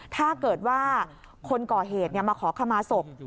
ถ้าเกิดว่าคนก่อเหตุมาขอขมาศพ